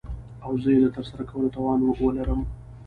او زه يې دترسره کولو توان وه لرم .